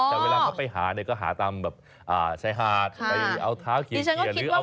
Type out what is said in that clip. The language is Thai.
แต่เวลาเขาไปหาเนี่ยก็หาตามแบบชายหาดไปเอาเท้าเขียนหรือเอา